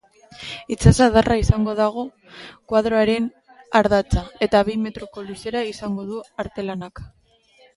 Itsasadarra izango dago koadroaren ardatza, eta bi metroko luzera izango du artelanak.